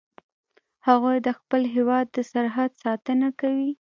هغوی د خپل هیواد د سرحد ساتنه کوي